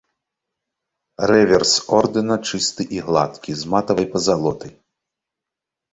Рэверс ордэна чысты і гладкі, з матавай пазалотай.